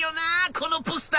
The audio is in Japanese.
このポスター。